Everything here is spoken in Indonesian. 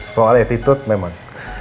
soalnya titut memang